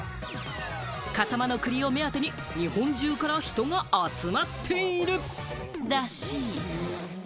笠間の栗を目当てに日本中から人が集まっているらしい。